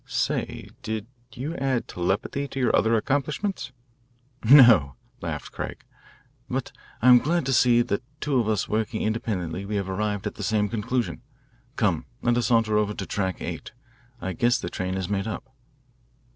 "Say, do you add telepathy to your other accomplishments? "No," laughed Craig, "but I'm glad to see that two of us working independently have arrived at the same conclusion. Come, let us saunter over to Track 8 I guess the train is made up."